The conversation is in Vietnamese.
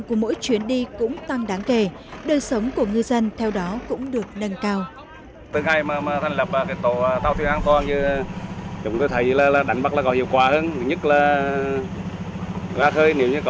còn đáng kể đời sống của người dân theo đó cũng được nâng cao